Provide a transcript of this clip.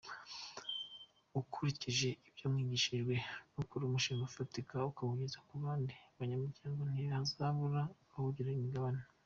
Ukurikije ibyo mwigishijwe, nukora umushinga ufatika ukawugeza ku bandi banyamuryango, ntihazabura abawuguramo imigabane.